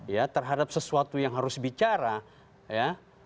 ya terhadap sesuatu yang harus bicara ya